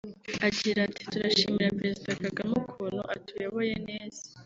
Agira ati “Turashimira Perezida Kagame ukuntu atuyoboye neza